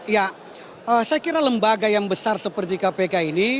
ya saya kira lembaga yang besar seperti kpk ini